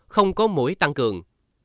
một không có mũi tăng cường